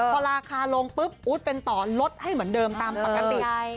พอราคาลงปุ๊บอู๊ดเป็นต่อลดให้เหมือนเดิมตามปกติ